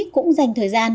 cũng dành thời gian